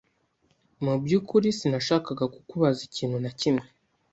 Mubyukuri, sinashakaga kukubaza ikintu na kimwe.